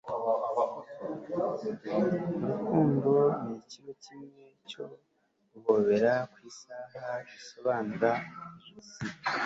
urukundo ni kilo kimwe cyo guhobera ku isaha, gusomana ku ijosi